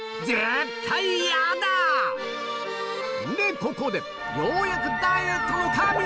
ここでようやくダイエットの神が！